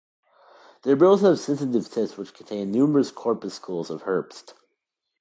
Their bills have sensitive tips which contain numerous corpuscles of Herbst.